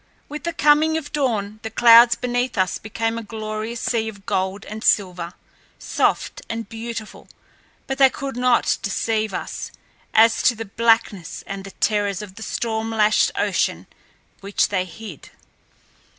With the coming of dawn the clouds beneath us became a glorious sea of gold and silver, soft and beautiful; but they could not deceive us as to the blackness and the terrors of the storm lashed ocean which they hid.